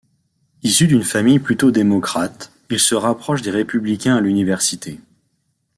Issu d'une famille plutôt démocrate, il se rapproche des républicains à l'université.